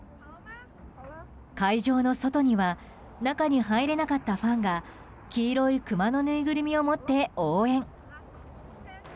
会場の外には中に入れなかったファンが黄色いクマのぬいぐるみを持って応援。